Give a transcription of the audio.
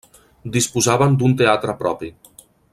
Disposaven d'un teatre propi.